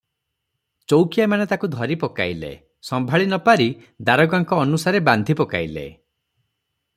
ଚଉକିଆମାନେ ତାକୁ ଧରିପକାଇଲେ; ସମ୍ଭାଳି ନପାରି ଦାରୋଗାଙ୍କ ଅନୁସାରେ ବାନ୍ଧି ପକାଇଲେ ।